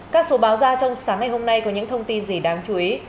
các số báo ra trong sáng ngày hôm nay có những thông tin gì đáng chú ý